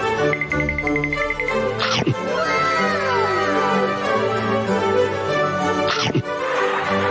จบที่ถังขยะเลยดีที่เขาน่าจะยังไง